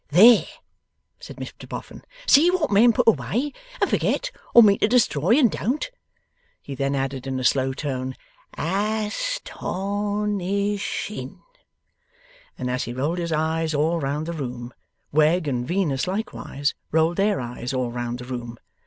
'There!' said Mr Boffin. 'See what men put away and forget, or mean to destroy, and don't!' He then added in a slow tone, 'As ton ish ing!' And as he rolled his eyes all round the room, Wegg and Venus likewise rolled their eyes all round the room.